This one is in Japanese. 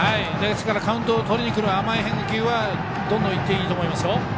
カウントをとりにくる甘い変化球はどんどん行っていいと思いますよ。